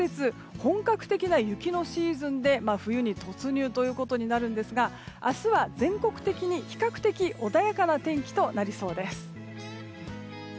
本格的な雪のシーズンで冬に突入となるんですが明日は全国的に比較的穏やかな天気となりそうです。